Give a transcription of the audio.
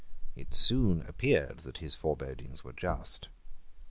It soon appeared that his forebodings were just.